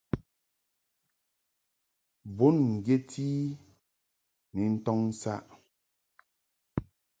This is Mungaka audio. Bùn ŋgyet i ni ntɔŋ saʼ.